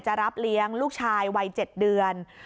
รับเลี้ยงลูกชายวัย๗เดือน